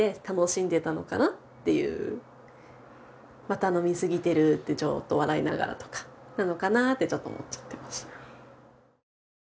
「また飲みすぎてる」ってちょっと笑いながらとかなのかなってちょっと思っちゃってました。